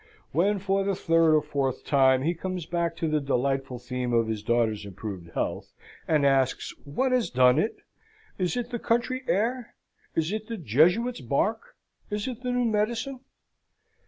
When, for the third or fourth time, he comes back to the delightful theme of his daughter's improved health, and asks, "What has done it? Is it the country air? is it the Jesuit's bark? is it the new medicine?"